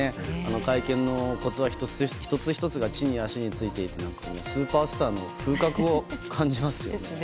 会見の言葉１つ１つが地に足がついていてスーパースターの風格を感じますよね。